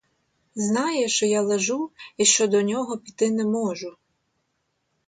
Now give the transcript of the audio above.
Знає, що я лежу і що до нього піти не можу.